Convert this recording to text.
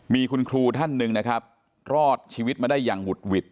มีคุณครูท่านหนึ่งนะครับรอดชีวิตมาได้อย่างหุดหวิด